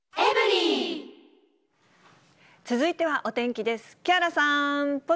続いてはお天気です。